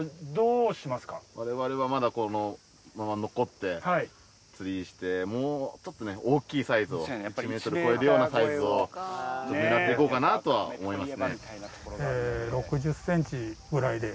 我々はまだこのまま残って釣りしてもうちょっとね大きいサイズを１ｍ超えるようなサイズを狙っていこうかなとは思います。